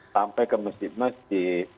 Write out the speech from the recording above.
sampai ke masjid masih